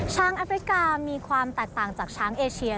แอฟริกามีความแตกต่างจากช้างเอเชีย